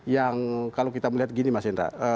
yang kalau kita melihat gini mas hendra